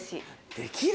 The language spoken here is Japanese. できる？